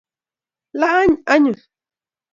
lany anyun